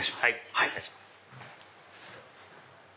失礼いたします。